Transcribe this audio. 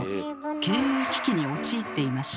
経営危機に陥っていました。